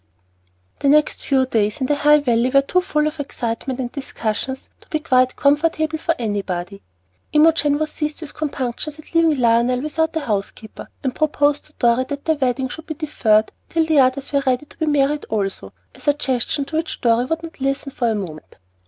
THE next few days in the High Valley were too full of excitement and discussions to be quite comfortable for anybody. Imogen was seized with compunctions at leaving Lionel without a housekeeper, and proposed to Dorry that their wedding should be deferred till the others were ready to be married also, a suggestion to which Dorry would not listen for a moment.